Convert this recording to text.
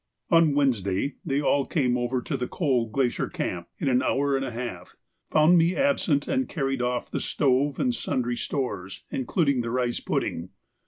On Wednesday they all came over to the Coal Glacier Camp in an hour and a half, found me absent, and carried off the stove and sundry stores, including the rice pudding.